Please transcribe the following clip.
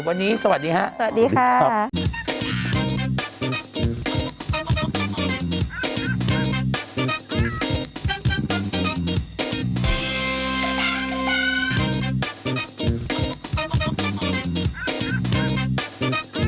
วันนี้สวัสดีครับ